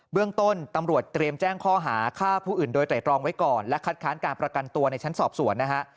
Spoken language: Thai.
เรื่องต้นตำรวจเตรียมแจ้งข้อหาฆ่าผู้อื่นโดยไตรตรองไว้ก่อนและคัดค้านการประกันตัวในชั้นสอบสวนนะฮะ